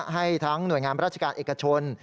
ให้ทั้งหน่วยงานราชการเอกชน